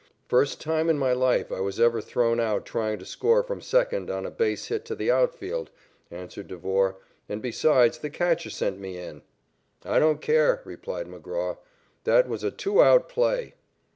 "First time in my life I was ever thrown out trying to score from second on a base hit to the outfield," answered Devore, "and besides the coacher sent me in." "I don't care," replied McGraw, "that was a two out play."